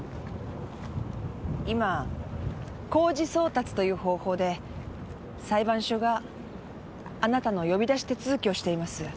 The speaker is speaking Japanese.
今公示送達という方法で裁判所があなたの呼び出し手続きをしています。